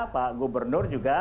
pak gubernur juga